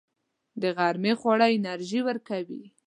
د غرمې خواړه انرژي ورکوي